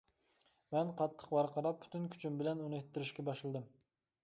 مەن قاتتىق ۋارقىراپ پۈتۈن كۈچۈم بىلەن ئۇنى ئىتتىرىشكە باشلىدىم.